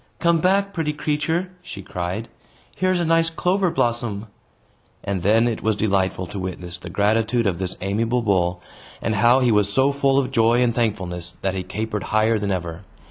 "Come back, pretty creature!" she cried. "Here is a nice clover blossom." And then it was delightful to witness the gratitude of this amiable bull, and how he was so full of joy and thankfulness that he capered higher than ever.